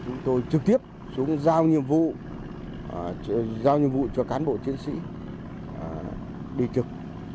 chúng tôi trực tiếp xuống giao nhiệm vụ cho cán bộ chiến sĩ đi trực